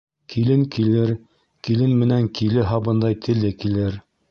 Килен килер, килен менән киле һабындай теле килер.